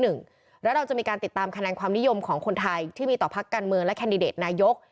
แล้วเราจะมีการติดตามคะแนนความนิยมของคนไทยที่มีต่อพักการเมืองและแคนดิเดตนายก